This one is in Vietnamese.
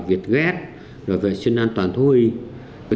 việc ghét rồi vệ sinh an toàn thú huy